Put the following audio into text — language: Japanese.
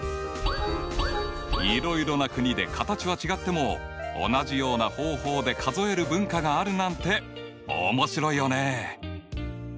いろいろな国で形は違っても同じような方法で数える文化があるなんて面白いよね！